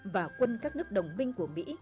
và quân các nước đồng minh của mỹ